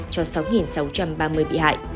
cho sáu sáu trăm ba mươi bị hại